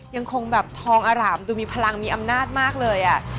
ยังคงแบบทองอร่ามดูมีพลังมีอำนาจมากเลย